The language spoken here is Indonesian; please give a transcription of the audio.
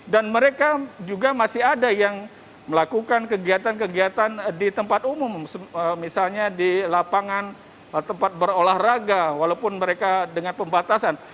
dan mereka juga masih ada yang melakukan kegiatan kegiatan di tempat umum misalnya di lapangan tempat berolahraga walaupun mereka dengan pembatasan